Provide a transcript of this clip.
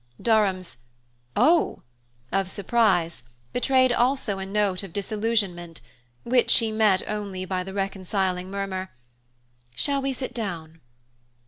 Durham's "Oh!" of surprise betrayed also a note of disillusionment, which she met only by the reconciling murmur: "Shall we sit down?"